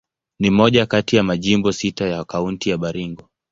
Ni moja kati ya majimbo sita ya Kaunti ya Baringo.